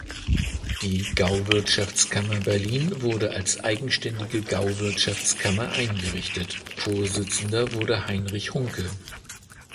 Die Gauwirtschaftskammer Berlin wurde als eigenständige Gauwirtschaftskammer eingerichtet (Vorsitzender wurde Heinrich Hunke).